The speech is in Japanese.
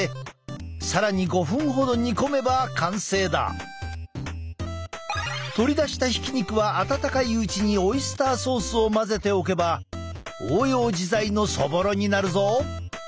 火を弱めてから取り出したひき肉は温かいうちにオイスターソースを混ぜておけば応用自在のそぼろになるぞ！